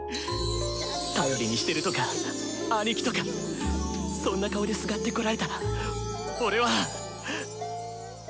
「頼りにしてる」とか「アニキ」とかそんな顔ですがってこられたら俺は。